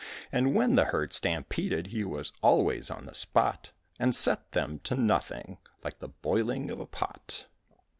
And when the herd stampeded he was always on the spot And set them to nothing, like the boiling of a pot.